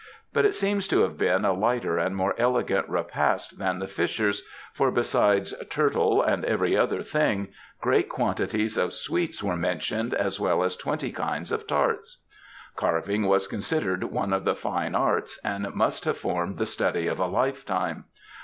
'' But it seems to have been a lighter and more elegant repast than the Fishers', for besides ^Hiurtle and every other thing," great quantities of sweets were mentioned, as well as twenty kinds of tarts. Carving was considered one of the fine arts, and must have formed the study of a lifetime.